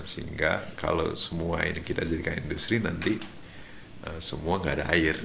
sehingga kalau semua ini kita jadikan industri nanti semua nggak ada air